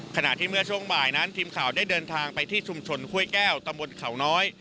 ขณะที่เมื่อช่วงบ่ายนั้นทีมข่าวได้เดินทางไปที่ชุมชนห้วยแก้วตำบลเขาน้อย